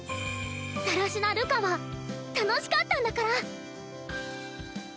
更科瑠夏は楽しかったんだから！